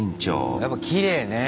やっぱきれいね。